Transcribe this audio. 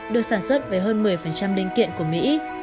được sản xuất với hơn một mươi linh kiện của mỹ